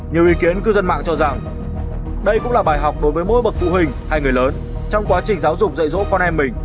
nhiều ý kiến cư dân mạng cho rằng đây cũng là bài học đối với mỗi bậc phụ huynh hay người lớn trong quá trình giáo dục dạy dỗ con em mình